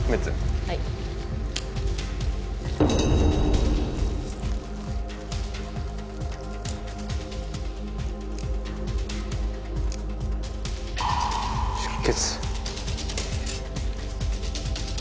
はい出血